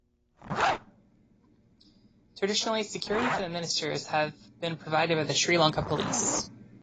Traditionally security for the ministers have been provided by the Sri Lanka Police.